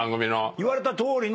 言われたとおりに。